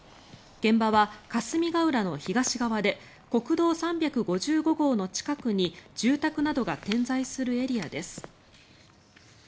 現場は霞ヶ浦の東側で国道３５５号の近くに住宅などが点在するエリアです。